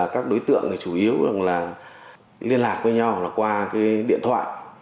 các đối tượng chủ yếu liên lạc với nhau là qua điện thoại